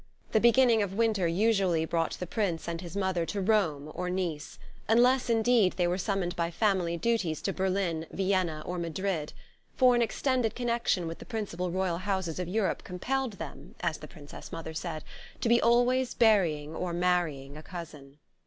The beginning of winter usually brought the Prince and his mother to Rome or Nice, unless indeed they were summoned by family duties to Berlin, Vienna or Madrid; for an extended connection with the principal royal houses of Europe compelled them, as the Princess Mother said, to be always burying or marrying a cousin.